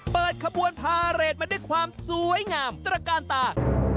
เปิดขบวนพาเรทมาด้วยความสวยงามตระกาลตา